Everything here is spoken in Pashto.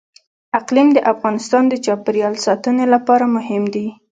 اقلیم د افغانستان د چاپیریال ساتنې لپاره مهم دي.